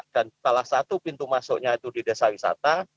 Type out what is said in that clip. dan salah satu pintu masuknya itu di desa wisata